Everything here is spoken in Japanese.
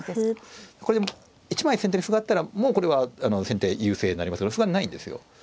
これで１枚先手に歩があったらもうこれは先手優勢になりますけど歩がないんですよ。